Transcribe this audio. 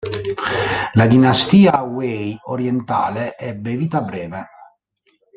La Dinastia Wei Orientale ebbe vita breve.